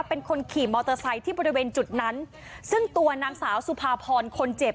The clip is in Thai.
เป็นคนขี่มอเตอร์ไซค์ที่บริเวณจุดนั้นซึ่งตัวนางสาวสุภาพรคนเจ็บ